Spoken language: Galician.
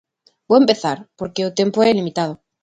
Vou empezar, porque o tempo é limitado.